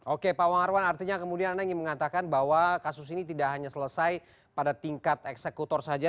oke pak wangarwan artinya kemudian anda ingin mengatakan bahwa kasus ini tidak hanya selesai pada tingkat eksekutor saja